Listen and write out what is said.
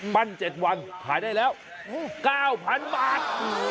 ปั้นเจ็ดวันหายได้แล้ว๙๐๐๐บาท